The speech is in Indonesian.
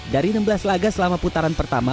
dari enam belas laga selama putaran pertama